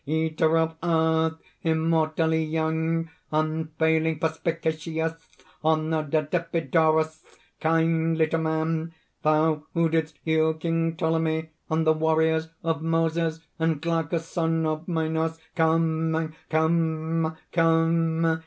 eater of earth! immortally young! unfailing perspicacious! honored at Epidaurus! Kindly to man! thou who didst heal King Ptolemy, and the warriors, of Moses, and Glaucus, son of Minos! "Come! come!